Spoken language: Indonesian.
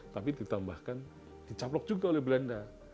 tapi ditambahkan dicaplok juga oleh belanda